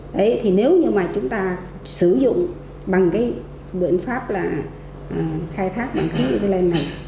đấy thì nếu như mà chúng ta sử dụng bằng cái biện pháp là khai thác bằng khí ethylene này